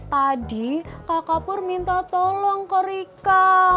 tadi kakak pur minta tolong ke rika